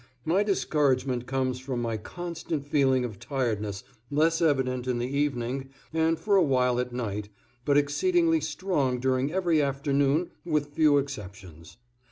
My discouragement comes from my constant feeling of tiredness, less evident in the evening and for awhile at night, but exceedingly strong during every afternoon with few exceptions.